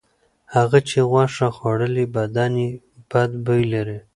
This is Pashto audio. هغه چې غوښه خوړلې بدن یې بد بوی لري.